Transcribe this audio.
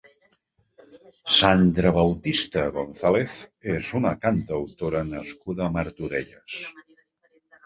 Sandra Bautista González és una cantautora nascuda a Martorelles.